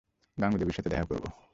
গাঙুদেবীর সাথে দেখা করবো।